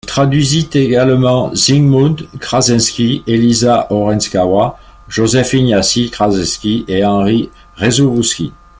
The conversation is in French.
Il traduisit également Zygmunt Krasinski, Eliza Orzeszkowa, Józef Ignacy Kraszewski et Henryk Rzewuski.